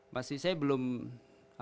masih saya belum apa namanya ya